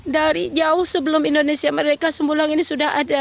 dari jauh sebelum indonesia merdeka sembulang ini sudah ada